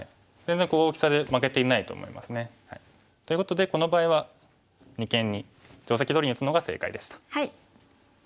全然大きさで負けていないと思いますね。ということでこの場合は二間に定石どおりに打つのが正解でした。